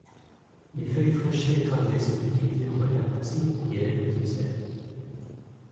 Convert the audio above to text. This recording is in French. Les feuilles fraîches écrasées sont utilisées en cataplasme pour guérir les ulcères.